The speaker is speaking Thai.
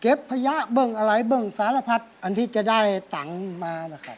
เก็บพญาะเบิ่งอะไรเบิ่งซ้านพระพรรดิ์อันที่จะได้สั่งมานะครับ